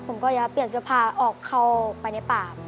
ผมก็จะเปลี่ยนเสื้อผ้าออกเข้าไปในป่าม